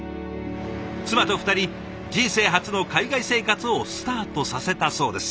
妻と２人人生初の海外生活をスタートさせたそうです。